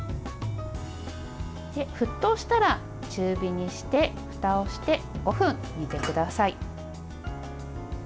沸騰したら中火にしてふたをして５分煮てください。